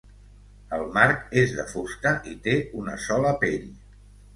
El marc és de fusta i té una sola pell.